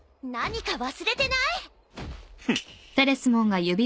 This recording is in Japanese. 何か忘れてない？